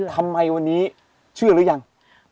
ทำไมวันนี้เชื่อหรือยัง